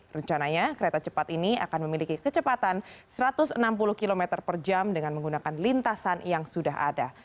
rencananya kereta cepat ini akan memiliki kecepatan satu ratus enam puluh km per jam dengan menggunakan lintasan yang sudah ada